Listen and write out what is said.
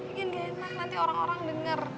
bikin genas nanti orang orang denger